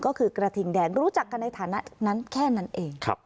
ก็คือกระทิงแดงรู้จักกันในฐานะนั้นแค่นั้นเอง